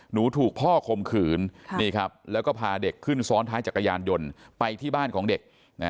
ถูกพ่อคมขืนแล้วก็พาเด็กขึ้นซ้อนท้ายจักรยานยนต์ไปที่บ้านของเด็ก